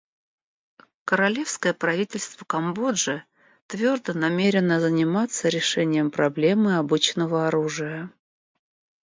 Королевское правительство Камбоджи твердо намерено заниматься решением проблемы обычного оружия.